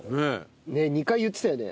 ２回言ってたよね。